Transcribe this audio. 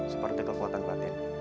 seperti kekuatan batin